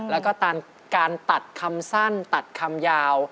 แล้วก็การตัดคำสั้นตัดคำยาว